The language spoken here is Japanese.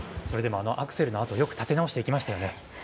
それでもアクセルのあとよく立て直していきましたよね。